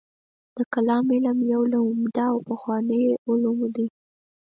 د کلام علم یو له عمده او پخوانیو علومو دی.